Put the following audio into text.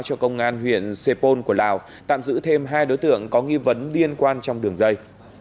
cho công an huyện sê pôn của lào tạm giữ thêm hai đối tượng có nghi vấn liên quan trong đường dây